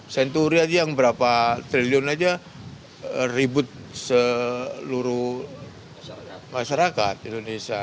senturia yang berapa triliun aja ribut seluruh masyarakat indonesia